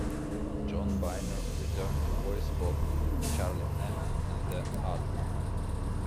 John Byner returned to voice both Charlie Ant and the Aardvark.